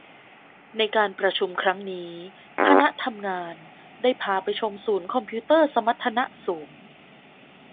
ในการประชุมครั้งนี้คณะทำงานได้พาไปชมศูนย์คอมพิวเตอร์สมรรถนะสูง